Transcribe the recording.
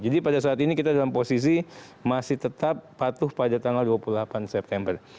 jadi pada saat ini kita dalam posisi masih tetap patuh pada tanggal dua puluh delapan september